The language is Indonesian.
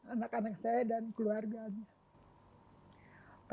anak anak saya dan keluarganya